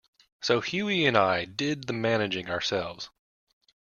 So Hughie and I did the managing ourselves.